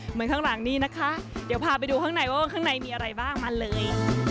เหมือนข้างหลังนี้นะคะเดี๋ยวพาไปดูข้างในว่าข้างในมีอะไรบ้างมาเลย